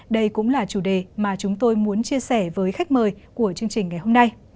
đây cũng là chủ đề mà chúng tôi muốn chia sẻ với khách mời của chương trình ngày hôm nay